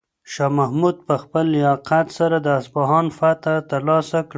شاه محمود په خپل لیاقت سره د اصفهان فتحه ترلاسه کړه.